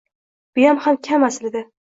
Buyam kam aslida.